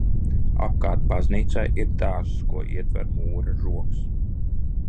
Apkārt baznīcai ir dārzs, ko ietver mūra žogs.